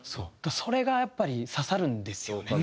それがやっぱり刺さるんですよね。